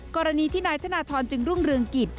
กรณีที่นายธนทรจึงรุ่งเรืองกิจ